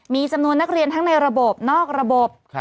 มีจำนวนนักเรียนทั้งในระบบนอกระบบ